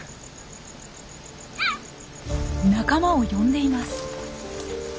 仲間を呼んでいます。